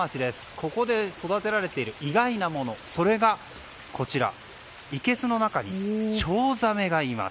ここで育てられている意外なものそれがこちらいけすの中にチョウザメがいます。